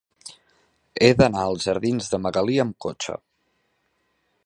He d'anar als jardins de Magalí amb cotxe.